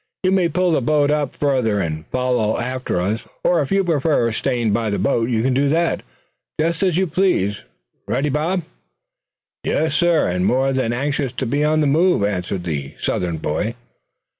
"You may pull the boat up further, and follow after us; or if you prefer staying by the boat, you can do that, just as you please. Ready, Bob?" "Yes, suh, and more than anxious to be on the move," answered the Southern boy.